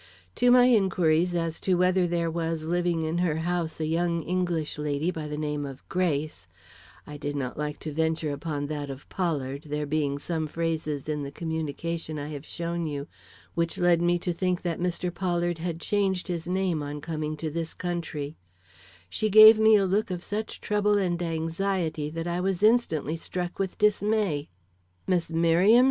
To my inquiries as to whether there was living in her house a young English lady by the name of Grace I did not like to venture upon that of Pollard, there being some phrases in the communication I have shown you which led me to think that Mr. Pollard had changed his name on coming to this country, she gave me a look of such trouble and anxiety that I was instantly struck with dismay. "Miss Merriam?"